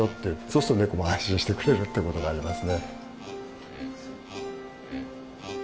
そうするとネコも安心してくれるってことがありますね。